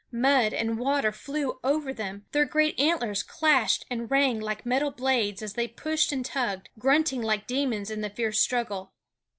Mud and water flew over them; their great antlers clashed and rang like metal blades as they pushed and tugged, grunting like demons in the fierce struggle.